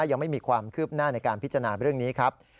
ยังไม่มีความคืบหน้าในการพิจารณาเรื่องนี้ครับ